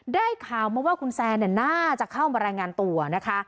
ได้ข่าวมาว่าคุณแซนน่าจะเข้ามารายงานตัวนะคะ